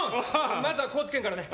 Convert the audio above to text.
まずは高知県からね！